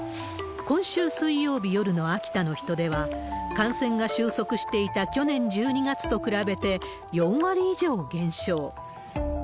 今週水曜日夜の秋田の人出は、感染が収束していた去年１２月と比べて、４割以上減少。